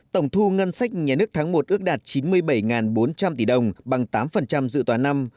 tổng thu ngân sách nhà nước tháng một ước đạt chín mươi bảy bốn trăm linh tỷ đồng bằng tám dự toán năm